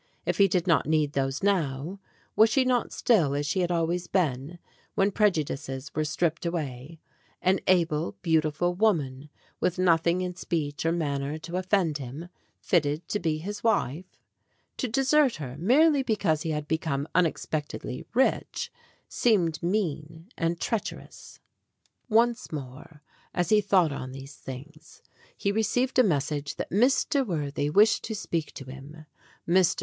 If he did not need those now, was she not still as she had always been, when prejudices were stripped away an able, beautiful woman, with noth ing in speech or manner to offend him, fitted to be his GREAT POSSESSIONS 19 wife? To desert her, merely because he had become unexpectedly rich, seemed mean and treacherous. Once more as he thought on these things he re ceived a message that Mr. Worthy wished to speak to him. Mr.